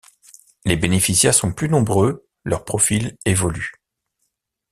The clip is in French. Les bénéficiaires sont plus nombreux, leur profil évolue.